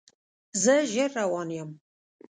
زه ژر روان یم